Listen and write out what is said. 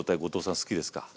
好きです。